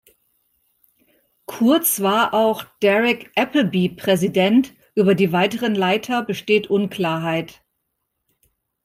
Kurz war auch "Derek Appleby" Präsident, über die weiteren Leiter besteht unklarheit.